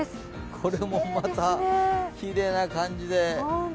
これもまたきれいな感じで。